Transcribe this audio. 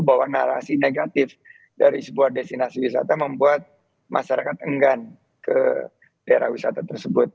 bahwa narasi negatif dari sebuah destinasi wisata membuat masyarakat enggan ke daerah wisata tersebut